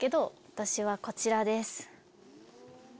私はこちらです。